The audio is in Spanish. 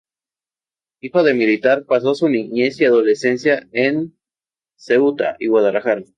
Hijo de militar, pasó su niñez y adolescencia en Ceuta y Guadalajara.